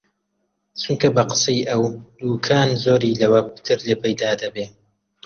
چونکە بە قسەی ئەو، دووکان زۆری لەوە پتر لێ پەیدا دەبێ